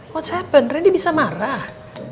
what's happened randy bisa marah